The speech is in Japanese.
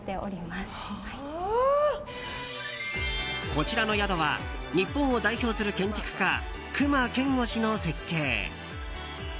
こちらの宿は日本を代表する建築家隈研吾氏の設計。